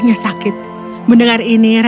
ayah sudah sehat sekarang itu yang paling penting bagiku